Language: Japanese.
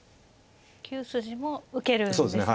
９筋も受けるんですね。